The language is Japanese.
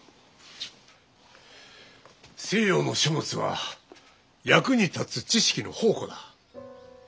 西洋の書物は役に立つ知識の宝庫だ。